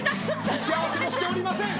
打ち合わせもしておりません！